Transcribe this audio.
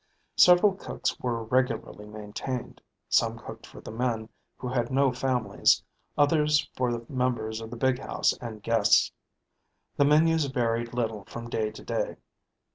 Several cooks were regularly maintained. Some cooked for the men who had no families, others for the members of the big house and guests. The menus varied little from day to day.